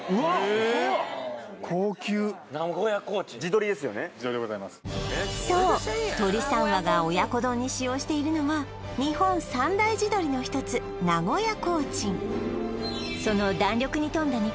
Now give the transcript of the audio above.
へえ高級地鶏でございますそう鶏三和が親子丼に使用しているのは日本三大地鶏の一つ名古屋コーチン